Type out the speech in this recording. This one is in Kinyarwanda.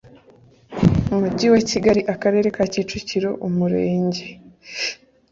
Mujyi wa Kigali Akarere ka Kicukiro Umurenge